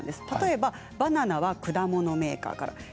例えばバナナは果物メーカーから。